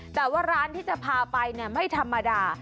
แต่ว่าร้านที่จะพาไปไม่ธรรมดา